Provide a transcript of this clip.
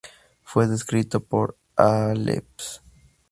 Fue descrito por Alef.